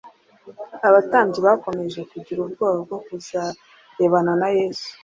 Abatambyi bakomeje kugira ubwoba bwo kuzarebana na Yesu,